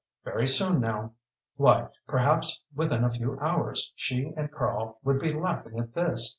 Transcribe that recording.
Very soon now! Why, perhaps within a few hours she and Karl would be laughing at this!